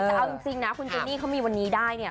แต่เอาจริงนะคุณเจนี่เขามีวันนี้ได้เนี่ย